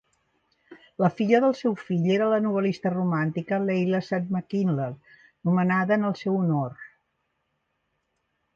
La filla del seu fill era la novel·lista romàntica Leila S. Mackinlay, nomenada en el seu honor.